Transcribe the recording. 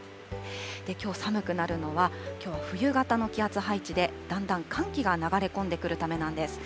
きょう寒くなるのは、きょう、冬型の気圧配置で、だんだん寒気が流れ込んでくるためなんです。